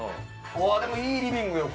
あでもいいリビングよ